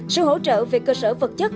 sự hỗ trợ về cơ sở vật chất